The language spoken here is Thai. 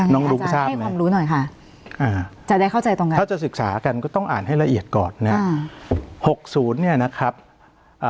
น้องรู้ทราบไหมคะอ่าถ้าจะศึกษากันก็ต้องอ่านให้ละเอียดก่อนนะครับน้องรู้ทราบไหมคะให้ความรู้หน่อยค่ะจะได้เข้าใจตรงกัน